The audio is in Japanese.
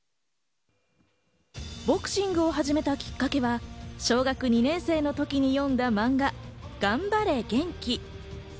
ボクシングを始めたきっかけは小学２年生の時に読んだ漫画『がんばれ元気』。